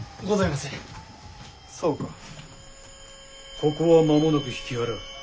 ここは間もなく引き払う。